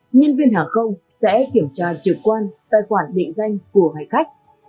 nhân viên hàng không sẽ kiểm tra trực quan tài khoản định danh của hành khách